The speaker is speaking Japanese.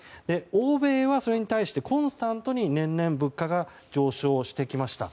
欧米はそれに対してコンスタントに年々物価が上昇してきました。